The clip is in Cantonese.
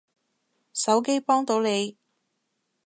手機幫到你